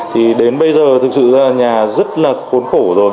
thì đến bây giờ thực sự là nhà rất là khốn khổ rồi